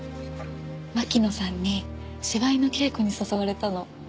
巻乃さんに芝居の稽古に誘われたの。